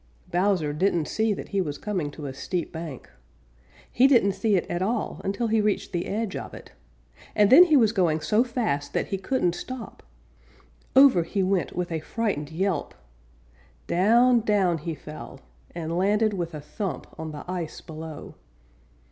Bowser didn't see that he was coming to a steep bank. He didn't see it at all until he reached the edge of it, and then he was going so fast that he couldn't stop. Over he went with a frightened yelp! Down, down he fell, and landed with a thump on the ice below.